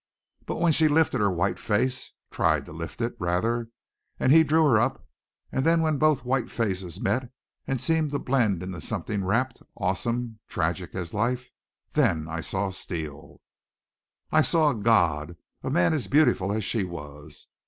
But when she lifted her white face, tried to lift it, rather, and he drew her up, and then when both white faces met and seemed to blend in something rapt, awesome, tragic as life then I saw Steele. I saw a god, a man as beautiful as she was.